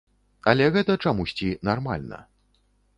Але гэта чамусьці нармальна.